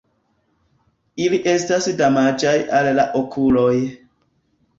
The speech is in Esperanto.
Ili estas damaĝaj al la okuloj.